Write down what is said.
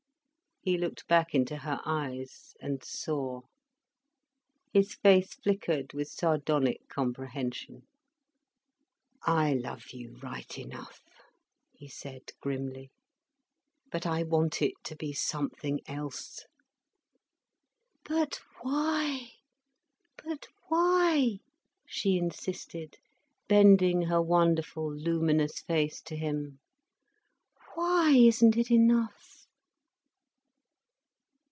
He looked back into her eyes, and saw. His face flickered with sardonic comprehension. "I love you right enough," he said, grimly. "But I want it to be something else." "But why? But why?" she insisted, bending her wonderful luminous face to him. "Why isn't it enough?"